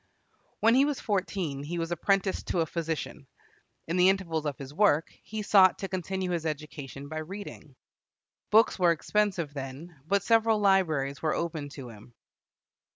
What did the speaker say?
When he was fourteen, he was apprenticed to a physician. In the intervals of his work, he sought to continue his education by reading. Books were expensive then, but several libraries were open to him.